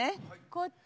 こっち。